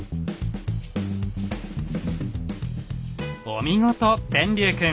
お見事天龍くん。